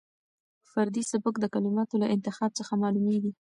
فردي سبک د کلماتو له انتخاب څخه معلومېږي.